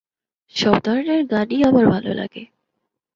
সব ধরনের গানই আমার ভালো লাগে।